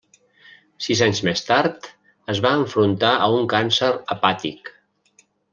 Sis anys més tard es va enfrontar a un càncer hepàtic.